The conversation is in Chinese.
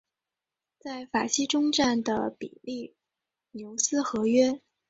在法西终战的比利牛斯和约。